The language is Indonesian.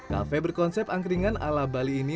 kafe berkonsep angkringan ala bali ini